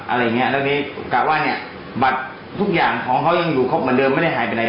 อันนี้กะว่าเนี่ยบัตรทุกอย่างของเขายังอยู่ครบเหมือนเดิมแล้วไม่ได้หายไปไหน